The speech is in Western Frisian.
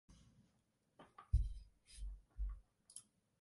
Is der in strân yn 'e buert?